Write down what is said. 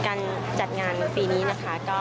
การจัดงานปีนี้นะคะ